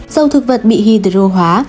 dầu thực vật bị hydro hóa